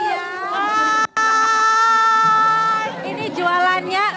wah ini jualannya